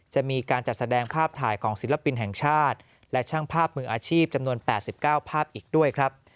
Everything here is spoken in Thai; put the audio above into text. จะมีการจัดแสดงภาพถ่ายของศิลปินแห่งชาติและช่างภาพมืออาชีพจำนวน๘๙ภาพอีกด้วยครับ